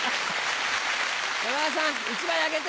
山田さん１枚あげて。